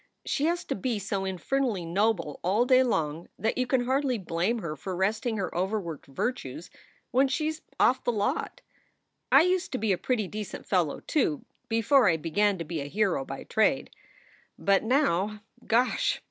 She has to be so infernally noble all day long that you can hardly blame her for resting her overworked virtues when she s off the lot. I used to be a pretty decent fellow, too, before I began to be a hero by trade. But now gosh!